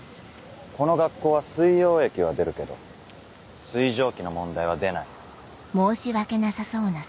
この学校は水溶液は出るけど水蒸気の問題は出ない。